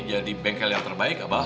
jadi bengkel yang terbaik abah